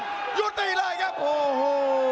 ยุติเลยครับโอ้โห